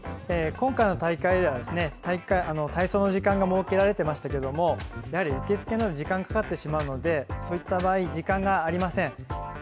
今回の大会では体操の時間が設けられてましたが受付などで時間がかかってしまうのでそういった場合時間がありません。